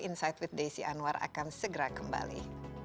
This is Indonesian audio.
insight with desi anwar akan segera kembali